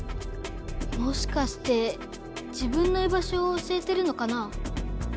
もしかして自分の居場所を教えてるのかな？